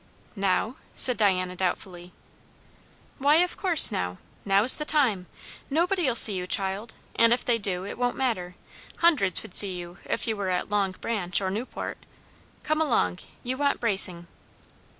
"Now?" said Diana doubtfully. "Why, of course now! Now's the time. Nobody'll see you, child; and if they do, it won't matter. Hundreds would see you if you were at Long Branch or Newport. Come along; you want bracing."